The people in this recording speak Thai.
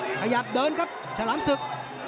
ขยับเดินครับฉลามศึก